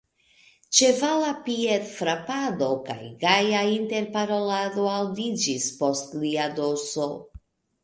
Ĉevala piedfrapado kaj gaja interparolado aŭdiĝis post lia dorso.